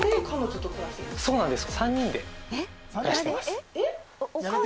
そうなんです。